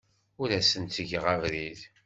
Ur asen-ttgeɣ abrid.